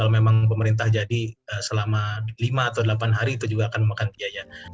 memang pemerintah jadi selama lima atau delapan hari itu juga akan memakan biaya